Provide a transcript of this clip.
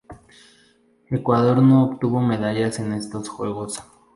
Ecuador no obtuvo medallas en estos juegos.